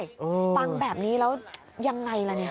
บังแบบนี้แล้วยังไงล่ะ